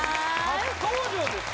初登場ですか？